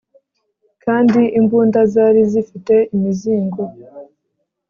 kandi imbunda zari zifite imizingo